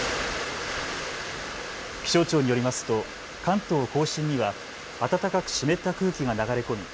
気象庁によりますと関東甲信には暖かく湿った空気が流れ込み